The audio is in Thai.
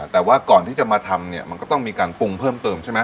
แต่ว่าก่อนที่จะมาทำเนี่ยมันก็ต้องมีการปรุงเพิ่มเติมใช่ไหม